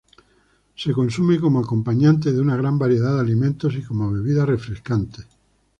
Se consume como acompañante de una gran variedad de alimentos y como bebida refrescante.